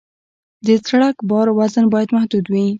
د ټرک د بار وزن باید محدود وي.